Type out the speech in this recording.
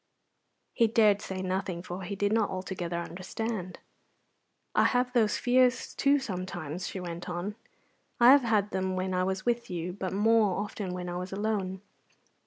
He dared say nothing, for he did not altogether understand. "I have those fears, too, sometimes," she went on; "I have had them when I was with you, but more often when I was alone.